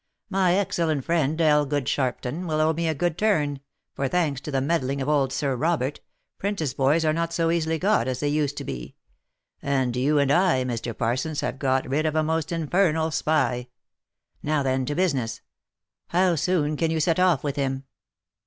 My excellent friend, Elgood Sharpton, will owe me a good turn — for, thanks to the meddling of old Sir Robert, 'prentice boys are not so easily got as they used to be — and you and I, Mr. Parsons, have got rid of a most infernal spy. Now then, to business. How soon can you set off with him